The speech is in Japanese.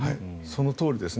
そのとおりです。